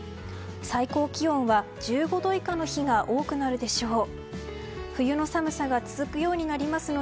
最高気温は１５度以下の日が多くなるでしょう。